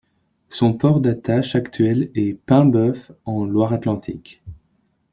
Son port d'attache actuel est Paimbœuf, en Loire-Atlantique.